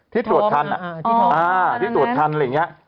ที่ตรวจคันที่ตรวจทันอะไรอย่างนี้